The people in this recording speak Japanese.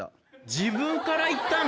自分からいったの？